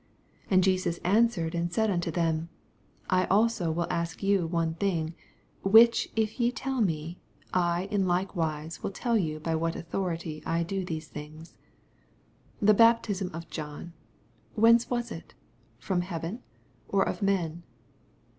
24 And Jesus answered and said unto them, I also will ask you one thing, which if ye tell me, 1 in like wise will tell you by what authority I do these thinj^s. 25 The baptism of John, whence was it ? from neaven, or of men